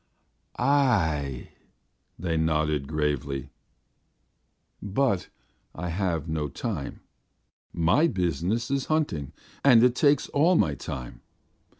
"Ay," they nodded gravely. "But I have no time. My business is hunting, and it takes all my time.